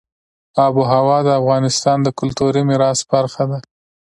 آب وهوا د افغانستان د کلتوري میراث برخه ده.